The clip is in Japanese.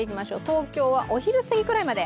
東京はお昼過ぎくらいまで。